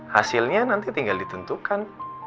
hasilnya nanti tinggal ditentukan